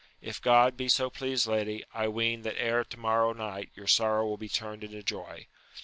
If God be so pleased lady, I ween that ere to morrow night your sorrow will be turned into joy.